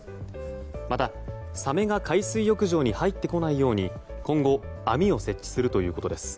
また、サメが海水浴場に入ってこないように今後網を設置するということです。